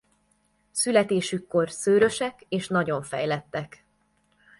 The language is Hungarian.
Születésükkor szőrösek és nagyon fejlettek.